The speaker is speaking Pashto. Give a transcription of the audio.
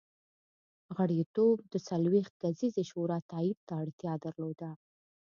غړیتوب د څلوېښت کسیزې شورا تایید ته اړتیا درلوده